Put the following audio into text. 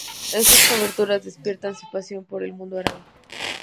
Estas coberturas despiertan su pasión por el Mundo Árabe.